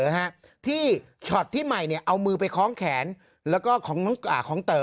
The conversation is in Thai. นะฮะที่ช็อตที่ใหม่เนี่ยเอามือไปคล้องแขนแล้วก็ของอ่าของของเต๋อ